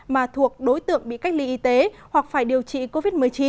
mà thuộc đối tượng bị cách ly y tế hoặc phải điều trị covid một mươi chín